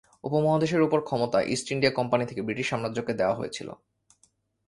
উপমহাদেশের উপর ক্ষমতা ইস্ট ইন্ডিয়া কোম্পানি থেকে ব্রিটিশ সাম্রাজ্যকে দেওয়া হয়েছিল।